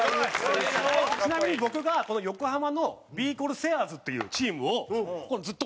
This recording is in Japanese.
ちなみに僕が横浜のビー・コルセアーズというチームをずっと追ってまして。